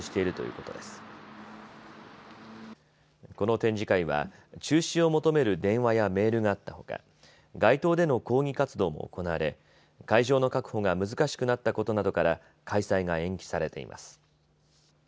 この展示会は中止を求める電話やメールがあったほか街頭での抗議活動も行われ会場の確保が難しくなったことなどから開催が延期されています。